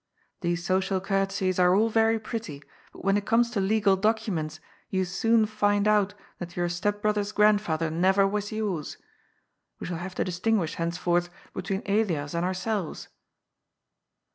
These social courtesies are all very pretty, but when it comes to legal documents you soon find out that your stepbrother's grandfather never was yours. We shall have to distinguish henceforth between Elias and ourselves."